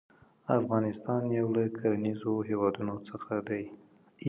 افغانستان يو له کرنيزو هيوادونو څخه دى.